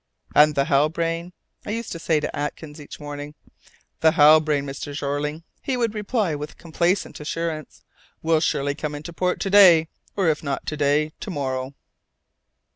"And the Halbrane?" I used to say to Atkins each morning. "The Halbrane, Mr. Jeorling," he would reply with complacent assurance, "will surely come into port to day, or, if not to day, to morrow."